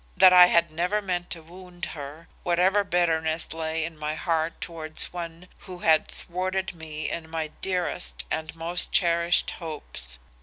That I had never meant to wound her, whatever bitterness lay in my heart towards one who had thwarted me in my dearest and most cherished hopes.